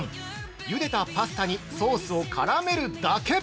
ゆでたパスタにソースを絡めるだけ！